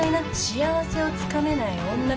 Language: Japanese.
『幸せをつかめない女』